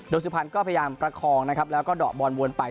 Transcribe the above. โดยสุพรรณก็พยายามประคองนะครับแล้วก็เดาะบอลวนไป